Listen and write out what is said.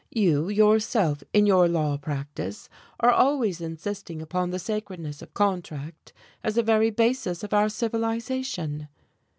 You yourself, in your law practice, are always insisting upon the sacredness of contract as the very basis of our civilization."